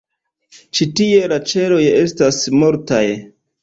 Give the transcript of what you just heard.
Ĉi-tie la ĉeloj estas mortaj.